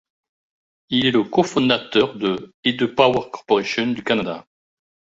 Il est le co-fondateur de et de Power Corporation du Canada.